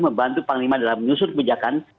membantu panglima dalam menyusun kebijakan